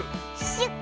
シュッ！